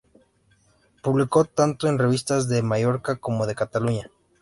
Publicó tanto en revistas de Mallorca como de Cataluña.